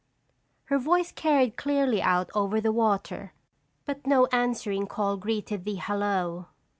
Her voice carried clearly out over the water but no answering call greeted the "hallo."